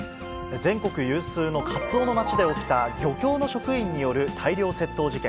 全国有数のカツオの街で起きた漁協の職員による大量窃盗事件。